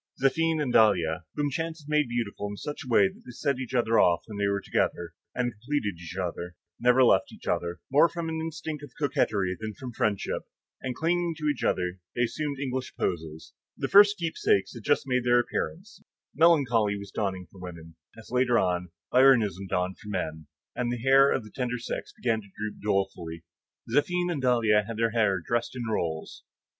Zéphine and Dahlia, whom chance had made beautiful in such a way that they set each off when they were together, and completed each other, never left each other, more from an instinct of coquetry than from friendship, and clinging to each other, they assumed English poses; the first keepsakes had just made their appearance, melancholy was dawning for women, as later on, Byronism dawned for men; and the hair of the tender sex began to droop dolefully. Zéphine and Dahlia had their hair dressed in rolls.